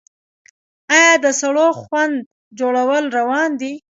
آیا د سړو خونو جوړول روان دي؟